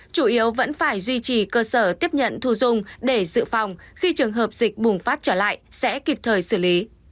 chủ yếu vẫn phải duy trì cơ sở tiếp nhận thu dung để dự phòng khi trường hợp dịch bùng phát trở lại sẽ kịp thời xử lý